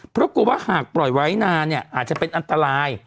เพราะกลัวว่าหากปล่อยไว้นานเนี่ยอาจจะเป็นอันตราย